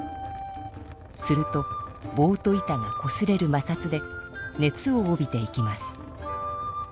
するとぼうと板がこすれるまさつで熱を帯びていきます。